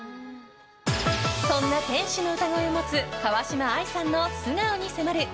そんな天使の歌声を持つ川嶋あいさんの素顔に迫る。